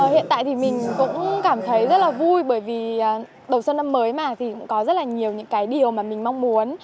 hiện tại thì mình cũng cảm thấy rất là vui bởi vì đầu xuân năm mới mà thì cũng có rất là nhiều những cái điều mà mình mong muốn